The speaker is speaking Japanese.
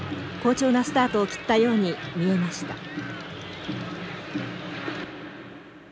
好調なスタートを切ったように見えました。